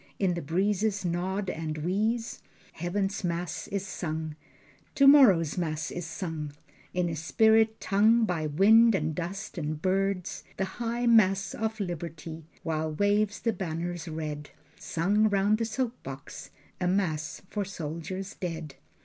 In the breezes nod and wheeze? Heaven's mass is sung, Tomorrow's mass is sung In a spirit tongue By wind and dust and birds, The high mass of liberty, While wave the banners red: Sung round the soap box, A mass for soldiers dead.